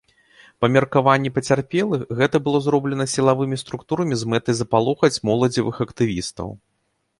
Па меркаванні пацярпелых, гэта было зроблена сілавымі структурамі з мэтай запалохаць моладзевых актывістаў.